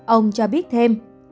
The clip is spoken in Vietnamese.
ông cho biết thêm